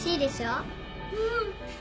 うん！